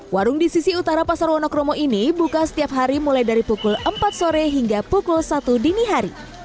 warung di sisi utara pasar wonokromo ini buka setiap hari mulai dari pukul empat sore hingga pukul satu dini hari